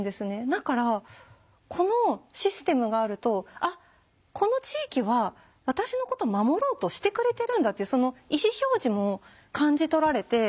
だからこのシステムがあると「あっこの地域は私のこと守ろうとしてくれてるんだ」ってその意思表示も感じ取られて。